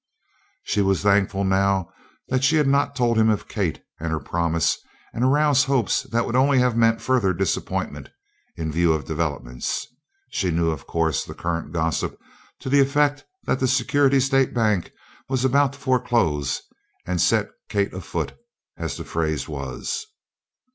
She was thankful now that she had not told him of Kate and her promise and aroused hopes that would only have meant further disappointment, in view of developments. She knew, of course, the current gossip to the effect that the Security State Bank was about to foreclose and "set Kate afoot," as the phrase was.